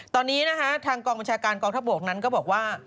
ตอนนี้นะคะทางกองบัญชาการกองทัพบกนั้นก็บอกว่า